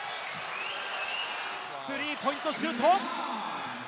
スリーポイントシュート。